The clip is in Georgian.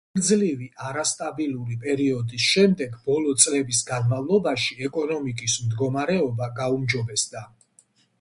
ხანგრძლივი არასტაბილური პერიოდის შემდეგ ბოლო წლების განმავლობაში ეკონომიკის მდგომარეობა გაუმჯობესდა.